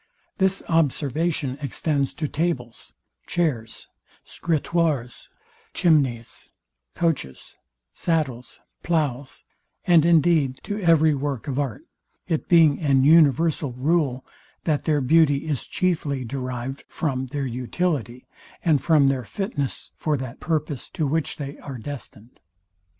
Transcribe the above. This observation extends to tables, chairs, scritoires, chimneys, coaches, sadles, ploughs, and indeed to every work of art; it being an universal rule, that their beauty is chiefly derived from their utility, and from their fitness for that purpose, to which they are destined.